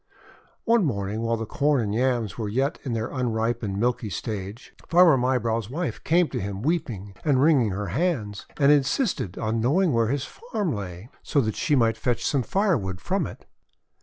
One morning, while the Corn and Yams were yet in their unripe and milky stage, Farmer Mybrow's wife came to him weeping and wring 344 THE WONDER GARDEN ing her hands, and insisted on knowing where his farm lay, so that she might fetch some fire wood from it.